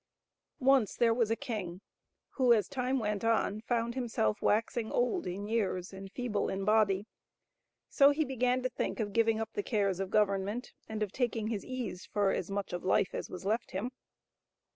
NCE there was a king, who, as time went on, found himself waxing old in years and feeble in body, so he began to think of giving up the cares of government and of taking his ease for as much of life as was left him.